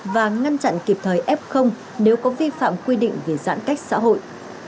và ngăn chặn kịp thời f nếu có vi phạm quy định về giãn cách xã hội